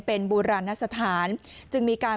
เป็นโบราณสถานจึงมีการ